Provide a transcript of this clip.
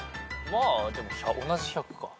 でも同じ１００か。